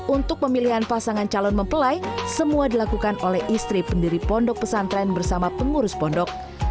untuk pemilihan pasangan calon mempelai semua dilakukan oleh istri pendiri pondok pesantren bersama pengurus pondok